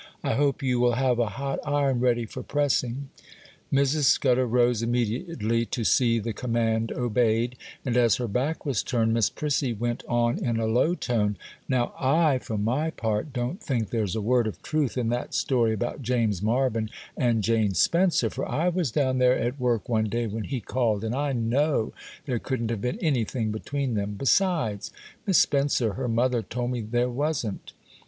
I hope you will have a hot iron ready for pressing.' Mrs. Scudder rose immediately, to see the command obeyed; and as her back was turned, Miss Prissy went on in a low tone,— 'Now I, for my part, don't think there's a word of truth in that story about James Marvyn and Jane Spencer, for I was down there at work one day when he called, and I know there couldn't have been anything between them,—besides, Miss Spencer, her mother, told me there wasn't.